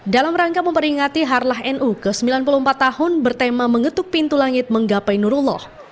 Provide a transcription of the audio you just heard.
dalam rangka memperingati harlah nu ke sembilan puluh empat tahun bertema mengetuk pintu langit menggapai nurullah